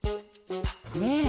ねえ。